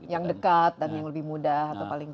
yang dekat dan yang lebih mudah